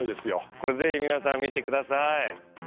これぜひ皆さん見て下さい。